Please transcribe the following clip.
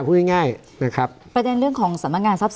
พูดง่ายง่ายนะครับประเทศเรื่องของสัมพันธ์งานทรัพย์ศิลป์